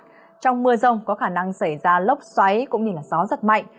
trong mưa rông có khả năng xảy ra lốc xoáy cũng như gió giật mạnh